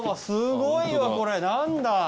すごいわこれ何だ？